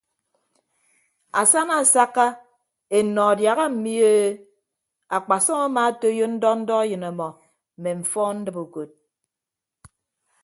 Asana asakka ennọ adiaha mmi e akpasọm amaatoiyo ndọ ndọ eyịn ọmọ mme mfọọn ndibe ukod.